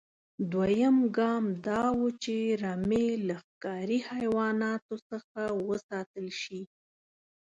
دویم ګام دا و چې رمې له ښکاري حیواناتو څخه وساتل شي.